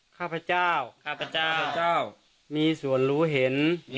ข้าพเจ้ามีส่วนรู้เห็น